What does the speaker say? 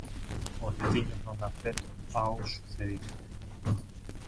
Os veciños non dan creto ao sucedido.